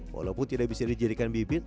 walaupun tidak bisa dijadikan bibit